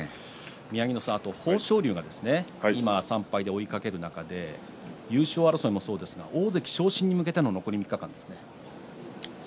宮城野さん、あと豊昇龍３敗で追いかける中で優勝争いもそうですが大関昇進に向けての残り３日間ですね。